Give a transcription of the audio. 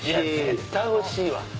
絶対おいしいわ。